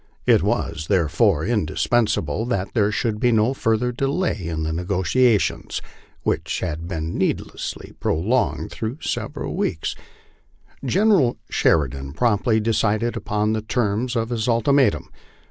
It was therefore indispensable that there should be no further delay in the negotiations, which had been needlessly prolonged through several weeks. 208 LIFE ON THE PLAINS. General Sheridan promptly decided upon the terms of his ultimatum.